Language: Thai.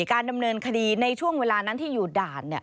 การดำเนินคดีในช่วงเวลานั้นที่อยู่ด่าน